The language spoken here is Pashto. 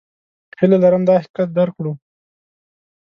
هیله لرم دا حقیقت درک کړو.